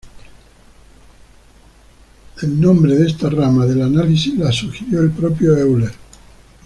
El nombre de esta rama del análisis la sugirió el propio Euler.